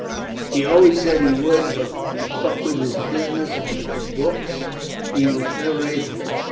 He always said he would, but what with his business and his books he was never able to.